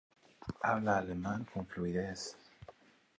Habla alemán con fluidez.